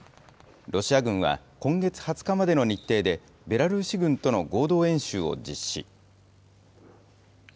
ロシア軍は今月２０日までの日程で、ベラルーシ軍との合同演習を実施。